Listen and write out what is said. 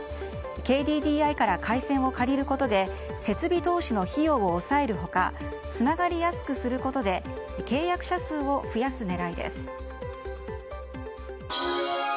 ＫＤＤＩから回線を借りることで設備投資の費用を抑える他つながりやすくすることで契約者数を増やす狙いです。